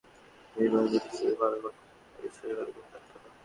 জীবনে যদি শুধু ভালো ঘটনা ঘটত, বিশ্বাস বলে কিছু থাকত না।